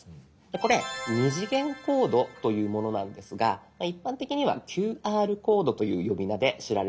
これ「２次元コード」というものなんですが一般的には「ＱＲコード」という呼び名で知られていると思います。